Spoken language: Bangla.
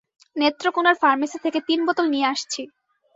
নেত্রকোণার ফর্মেসি থেকে তিন বোতল নিয়ে আসছি।